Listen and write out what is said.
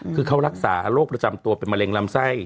คือเขารักษาโรคประจำตัวเป็นมะเร็งลำไส้